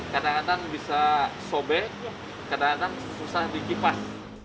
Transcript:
kadang kadang bisa sobek kadang kadang susah dikipas